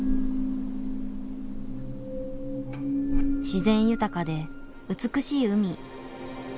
自然豊かで美しい海。